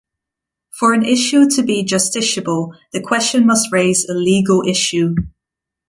For an issue to be justiciable the question must raise a legal issue.